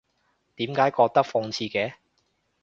點解覺得諷刺嘅？